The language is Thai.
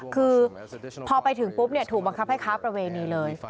คือพอไปถึงปุ๊บถูกบังคับให้ค้าประเวณีเลย